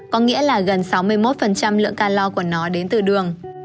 có nghĩa là gần sáu mươi một lượng calor của nó đến từ đường